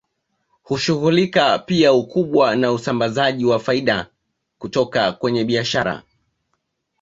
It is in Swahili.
Hushughulika pia ukubwa na usambazaji wa faida kutoka kwenye biashara